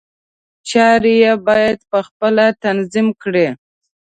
چارې یې باید په خپله تنظیم کړي.